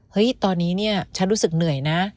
เฮ้ยตอนนี้เนี่ยฉันรู้สึกเหนื่อยนะ